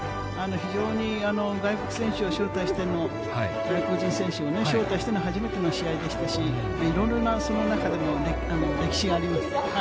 非常に外国選手を招待しての、外国人選手を招待しての初めての試合でしたし、いろいろなその中でも歴史があります。